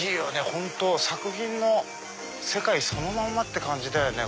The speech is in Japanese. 本当作品の世界そのまんまって感じだよね。